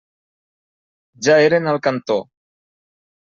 Ja eren al cantó.